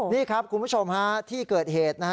นี่ครับคุณผู้ชมที่เกิดเหตุ